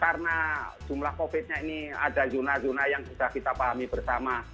karena jumlah covid nya ini ada yuna yuna yang sudah kita pahami bersama